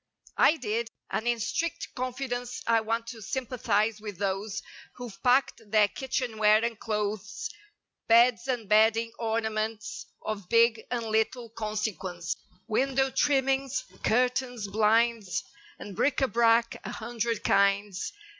I did. And in strict confidence I want to sympathize with those Who've packed their kitchenware and clothes Beds and bedding—ornaments Of big and little consequence; Window trimmings; curtains; blinds, And bric a brac—a hundred kinds.